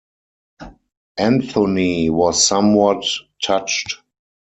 Anthony was somewhat touched.